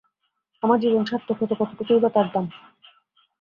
আমার জীবন সার্থক হত, কতটুকুই বা তার দাম।